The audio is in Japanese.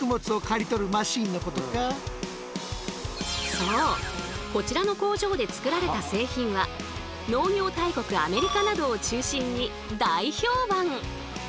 そうこちらの工場で作られた製品は農業大国アメリカなどを中心に大評判！